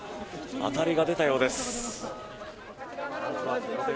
当たりが出たようです。